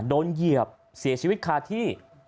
เหยียบเสียชีวิตคาที่